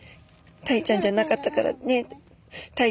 タイちゃんじゃなかったからね。